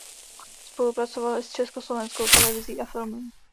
Spolupracoval i s československou televizí a filmem.